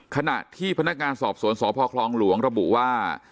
ขณะที่พนักงานสอบสวนสพคลองหลวงระบุว่า